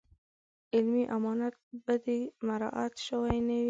علمي امانت په کې مراعات شوی نه وي.